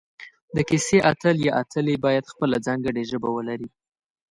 د کیسې اتل یا اتلې باید خپله ځانګړي ژبه ولري